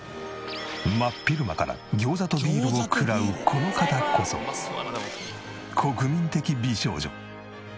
真っ昼間から餃子とビールを食らうこの方こそ国民的美少女。